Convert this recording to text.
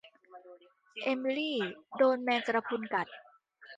เอมิลีโดนแมงกระพรุนกัด